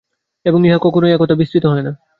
এবং ইহা কখনই এ-কথা বিস্মৃত হয় না।